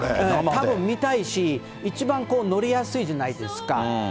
たぶん見たいし、一番乗りやすいじゃないですか。